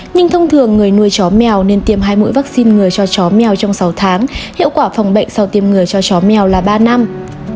nhưng thông thường người nuôi chó mèo nên tiêm hai mũi vaccine người cho chó mèo trong sáu tháng hiệu quả phòng bệnh sau tiêm người cho chó mèo là ba năm